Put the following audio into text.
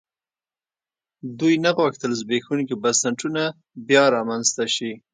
دوی نه غوښتل زبېښونکي بنسټونه بیا رامنځته شي.